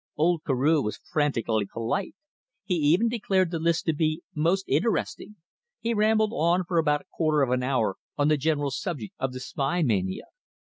Old Carew was frantically polite. He even declared the list to be most interesting! He rambled on for about a quarter of an hour on the general subject of the spy mania.